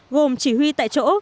gồm chỉ huy tại chỗ